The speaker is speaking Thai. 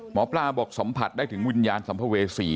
หมอปลาบอกสัมผัสได้ถึงวิญญาณสัมภเวษี